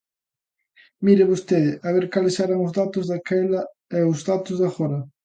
Mire vostede a ver cales eran os datos daquela e os datos de agora.